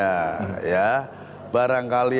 ya ya barangkali